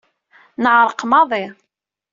Neɛreq maḍi.